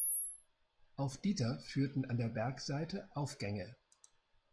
Auf dieser führten an der Bergseite Aufgänge.